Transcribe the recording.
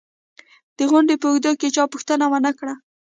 د غونډې په اوږدو کې چا پوښتنه و نه کړه